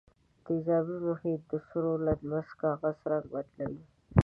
تیزابي محیط د سرو لتمس کاغذ رنګ بدلوي.